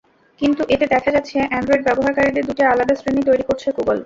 কিন্তু এতে দেখা যাচ্ছে, অ্যান্ড্রয়েড ব্যবহারকারীদের দুটি আলাদা শ্রেণি তৈরি করছে গুগল।